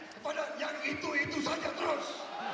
kepada yang itu itu saja terus